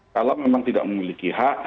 kalau memang tidak memiliki hak